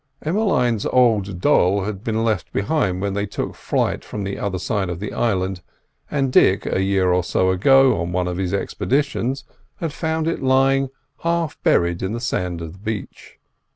Emmeline's old doll had been left behind when they took flight from the other side of the island, and Dick, a year or so ago, on one of his expeditions, had found it lying half buried in the sand of the beach.